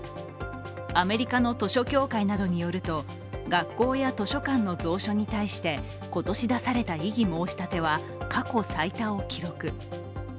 アメリカの図書協会などによると、学校や図書館の蔵書に対して今年出された異議申し立ては過去最多を記録。